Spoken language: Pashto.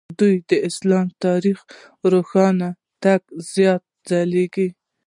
دوی د اسلام تاریخ روښانه ټکي زیات ځلوي.